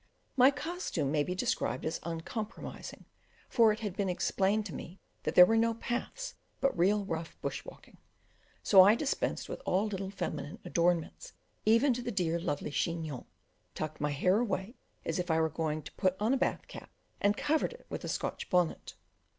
My costume may be described as uncompromising, for it had been explained to me that there were no paths but real rough bush walking; so I dispensed with all little feminine adornments even to the dearly loved chignon, tucked my hair away as if I was going to put on a bathing cap, and covered it with a Scotch bonnet.